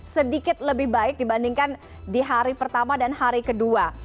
sedikit lebih baik dibandingkan di hari pertama dan hari kedua